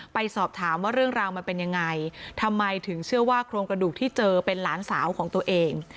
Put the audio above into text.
ไปสอบถามว่าเรื่องราวมันเป็นยังไงทำไมถึงเชื่อว่าโครงกระดูกที่เจอเป็นหลานสาวของตัวเอง